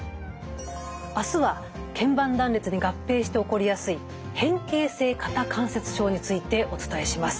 あすはけん板断裂に合併して起こりやすい変形性肩関節症についてお伝えします。